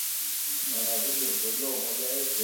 Batoto bana penda biakuria Bia ku mashamba